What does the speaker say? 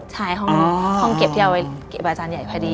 ใช่ห้องเก็บที่เอาไว้เก็บอาจารย์ใหญ่พอดี